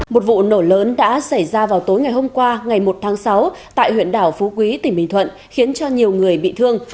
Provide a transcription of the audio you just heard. một vụ nổ lớn đã xảy ra vào tối ngày hôm qua ngày một tháng sáu tại huyện đảo phú quý tỉnh bình thuận khiến cho nhiều người bị thương